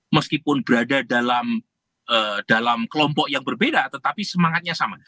meskipun berada dalam kelompok yang berbeda tetapi semangatnya sama